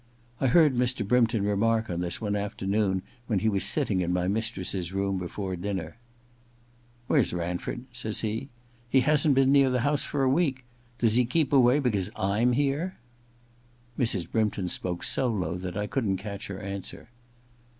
I heard Mr. Brympton remark on this one afternoon when he was sitting in my mistress's room before dinner. * Where's Ranford ?* says he. • He hasn*t been near the house for a week. Does he keep away because I'm here ?' Mrs. Brympton spoke so low that I couldn't catch her answer.